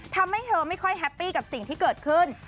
ทำให้เธอไม่ค่อยแฮปปี้กับสิ่งที่เกิดขึ้น